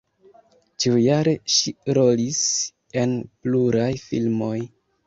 Ĉiujare ŝi rolis en pluraj filmoj.